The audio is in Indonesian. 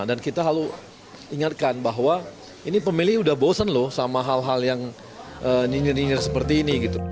dan kita harus ingatkan bahwa ini pemilih sudah bosan loh sama hal hal yang nginir ninir seperti ini